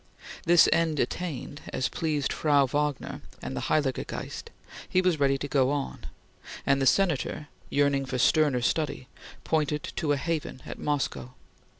This end attained as pleased Frau Wagner and the Heiliger Geist, he was ready to go on; and the Senator, yearning for sterner study, pointed to a haven at Moscow.